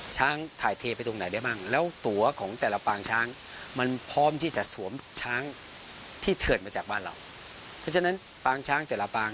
ช้างถ่ายเทไปตรงไหนได้บ้าง